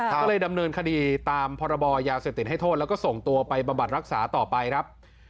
ก็เลยดำเนินคดีตามพยเศษตินให้โทษและส่งตัวไปบับรรยาห์รักษาต่อไปครับ